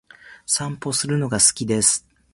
散歩するのが好きです。